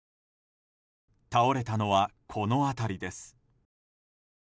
倒れたのはこの辺りです。